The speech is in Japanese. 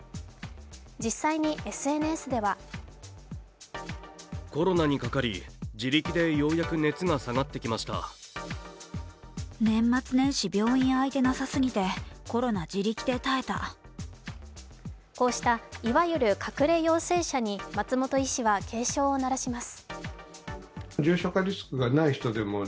実際にＳＮＳではこうしたいわゆる隠れ陽性者に松本医師は警鐘を鳴らします。